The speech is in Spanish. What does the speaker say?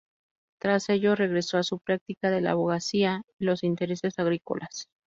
Tras ello, regresó a su práctica de la abogacía y los intereses agrícolas.